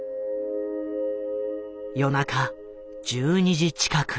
夜中１２時近く。